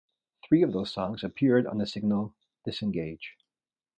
Three of those songs appeared on the single "Disengage".